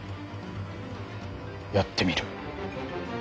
やってみる。